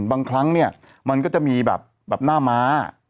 บางครั้งเนี่ยมันก็จะมีแบบหน้าม้า